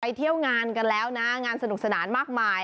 เที่ยวงานกันแล้วนะงานสนุกสนานมากมาย